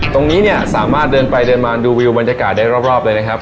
ตรงนี้เนี่ยสามารถเดินไปเดินมาดูวิวบรรยากาศได้รอบเลยนะครับ